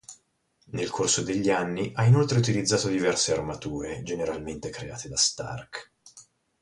Nel corso degli anni ha inoltre utilizzato diverse armature, generalmente create da Stark.